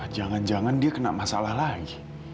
jangan jangan dia kena masalah lain